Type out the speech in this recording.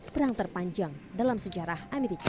perang terpanjang dalam sejarah amerika